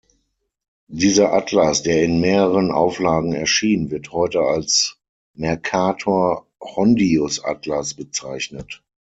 Dieser Atlas, der in mehreren Auflagen erschien, wird heute als "Mercator-Hondius-Atlas" bezeichnet.